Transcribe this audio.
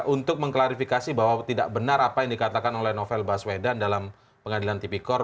untuk mengklarifikasi bahwa tidak benar apa yang dikatakan oleh novel baswedan dalam pengadilan tipikor